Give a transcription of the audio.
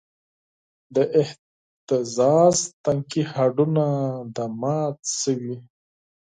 د اهتزاز تنکي هډونه دې مات شوی